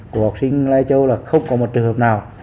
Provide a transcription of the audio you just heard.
của học sinh lai châu là không có một trường hợp nào